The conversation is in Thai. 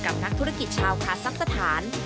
นักธุรกิจชาวคาซักสถาน